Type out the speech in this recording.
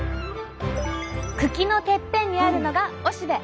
茎のてっぺんにあるのがおしべ。